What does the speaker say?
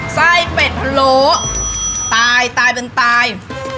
ไส้เป็ดพะโล้ตายตายเป็นตาย